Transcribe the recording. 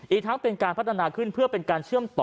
อีกทั้งเป็นการพัฒนาขึ้นเพื่อเป็นการเชื่อมต่อ